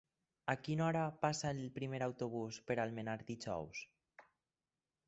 A quina hora passa el primer autobús per Almenar dijous?